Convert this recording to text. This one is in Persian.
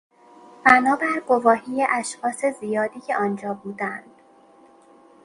بنا بر گواهی اشخاص زیادی که آنجا بودند